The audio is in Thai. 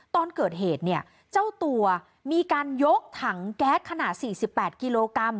ตอนเกิดเหตุเนี่ยเจ้าตัวมีการยกถังแก๊สขนาด๔๘กิโลกรัม